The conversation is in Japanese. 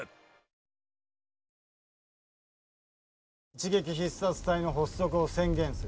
一撃必殺隊の発足を宣言する。